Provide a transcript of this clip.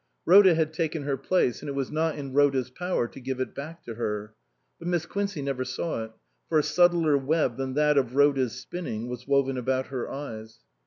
Rhoda had taken her place, and it was not in Rhoda's power to give it back to her. But Miss Quincey never saw it; for a subtler web than that of Rhoda's spinning was woven about her eyes.